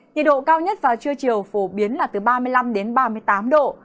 nhiệt độ cao nhất và chưa chiều phổ biến là từ ba mươi năm đến ba mươi tám độ